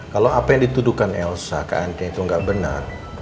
kalau apa yang dituduhkan elsa ke ante itu nggak benar